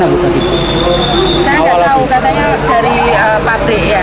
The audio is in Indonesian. saya nggak tahu katanya dari pabrik ya